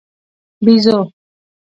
🐒بېزو